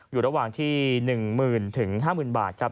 อยู่ระหว่างที่๑หมื่นถึง๕หมื่นบาทครับ